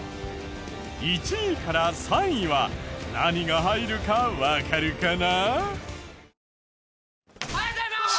１位から３位は何が入るかわかるかな？